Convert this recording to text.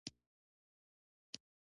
وحشي پیشو ونې ته خېژي.